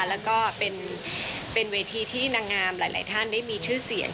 แล้วก็เป็นเวทีที่นางงามหลายท่านได้มีชื่อเสียง